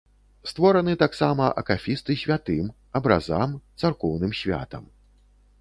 Створаны таксама акафісты святым, абразам, царкоўным святам.